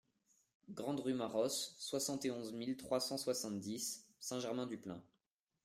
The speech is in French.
Grande Rue Marosse, soixante et onze mille trois cent soixante-dix Saint-Germain-du-Plain